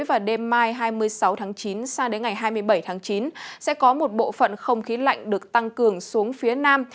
và đêm mai hai mươi sáu tháng chín sang đến ngày hai mươi bảy tháng chín sẽ có một bộ phận không khí lạnh được tăng cường xuống phía nam